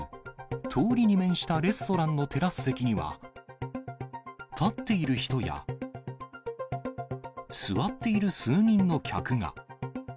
通りに面したレストランのテラス席には、立っている人や、座っている数人の客が。